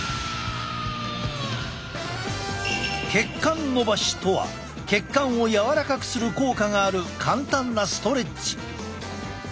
血管のばしとは血管を柔らかくする効果がある簡単なストレッチ。